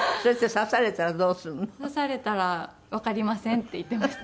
指されたら「わかりません」って言っていました。